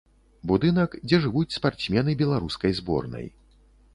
Будынак, дзе жывуць спартсмены беларускай зборнай.